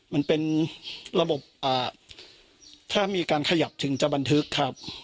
มันเป็นระบบถ้ามีการขยับถึงจะบันทึกครับ